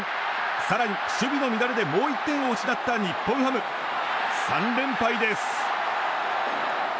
更に守備の乱れでもう１点を失った日本ハム。３連敗です。